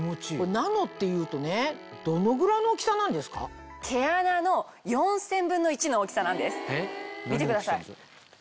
ナノっていうとねどのぐらいの大きさなんですか？の大きさなんです見てください。